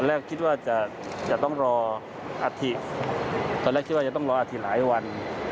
แรกคิดว่าจะต้องรออาทิตตอนแรกคิดว่าจะต้องรออาทิตยหลายวัน